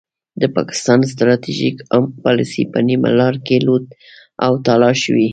د پاکستان ستراتیژیک عمق پالیسي په نیمه لار کې لوټ او تالا شوې.